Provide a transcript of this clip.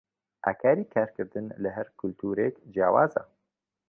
ئاکاری کارکردن لە هەر کولتوورێک جیاوازە.